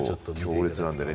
強烈なんでね。